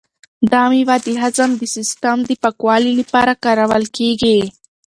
دا مېوه د هضم د سیسټم د پاکوالي لپاره کارول کیږي.